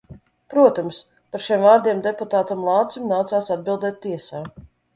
Protams, par šiem vārdiem deputātam Lācim nācās atbildēt tiesā.